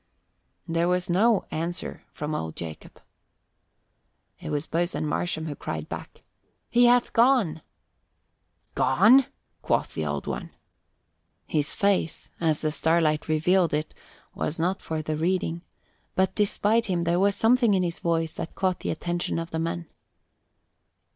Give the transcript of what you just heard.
There was no answer from old Jacob. It was Boatswain Marsham who cried back, "He hath gone." "Gone?" quoth the Old One. His face, as the starlight revealed it, was not for the reading, but despite him there was something in his voice that caught the attention of the men.